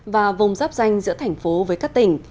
và vùng giáp danh giữa thành phố với các tỉnh